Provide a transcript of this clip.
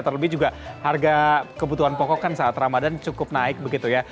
terlebih juga harga kebutuhan pokok kan saat ramadan cukup naik begitu ya